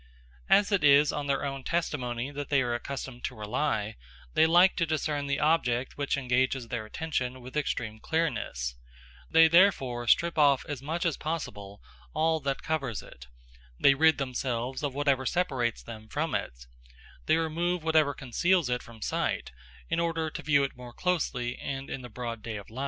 As it is on their own testimony that they are accustomed to rely, they like to discern the object which engages their attention with extreme clearness; they therefore strip off as much as possible all that covers it, they rid themselves of whatever separates them from it, they remove whatever conceals it from sight, in order to view it more closely and in the broad light of day.